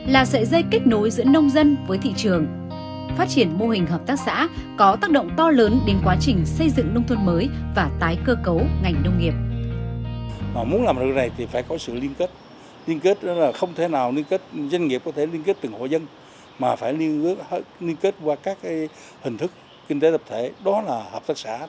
là sợi dây kết nối giữa nông dân với thị trường phát triển mô hình hợp tác xã có tác động to lớn đến quá trình xây dựng nông thôn mới và tái cơ cấu ngành nông nghiệp